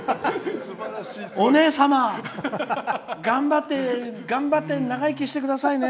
お姉様頑張って長生きしてくださいね。